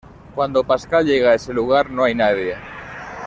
Cuando Pascal llega a ese lugar no hay nadie.